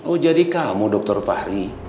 oh jadi kamu dr fahri